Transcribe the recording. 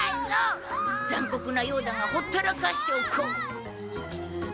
残酷なようだがほったらかしておこう。